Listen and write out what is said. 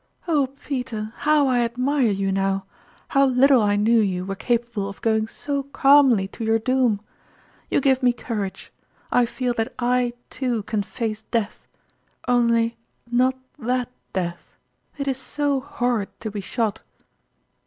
" Oh, Peter, how I ad mire you now ! How little I knew you were capable of going so calmly to your doom ! You give me courage. I feel that I, too, can face death ; only not that death it is so horrid to be shot